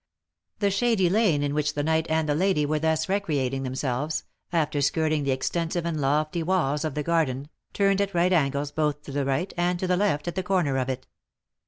The shady lane in which the knight and the lady were thus re creating themselves, after skirting the extensive and lofty walls of the garden, turned at right angles both to the right and the left at the corner of it.